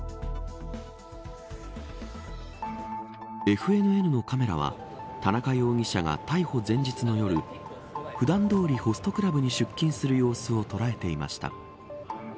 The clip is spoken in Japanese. ＦＮＮのカメラは田中容疑者が逮捕前日の夜普段どおりホストクラブに出勤する様子を捉えていました。